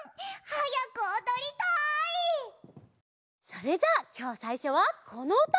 それじゃあきょうさいしょはこのうた！